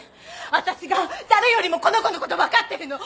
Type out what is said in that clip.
私が誰よりもこの子のこと分かってるの！